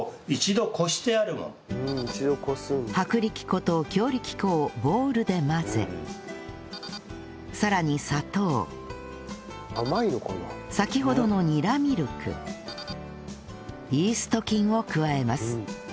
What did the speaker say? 薄力粉と強力粉をボウルで混ぜさらに砂糖先ほどのニラミルクイースト菌を加えます